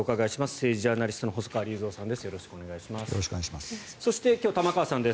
政治ジャーナリストの細川隆三さんです。